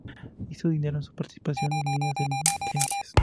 Hizo dinero en su participación en líneas de diligencias.